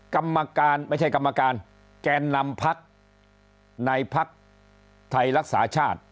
กรรมการไม่ใช่กรรมการแกนนำพักในภักดิ์ไทยรักษาชาติ